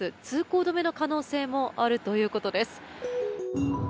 通行止めの可能性もあるということです。